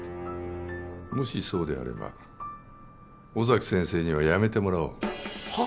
もしそうであれば尾崎先生には辞めてもらおうはっ？